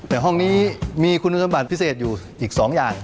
แต่ห้องนี้มีคุณสมบัติพิเศษอยู่อีก๒อย่าง